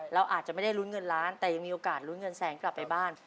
เราอาจจะไม่ได้ลุ้นเงินล้านแต่ยังมีโอกาสลุ้นเงินแสนกลับไปบ้าน